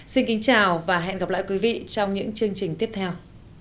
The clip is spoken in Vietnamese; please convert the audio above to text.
xin kính chào và hẹn gặp lại quý vị trong những chương trình tiếp theo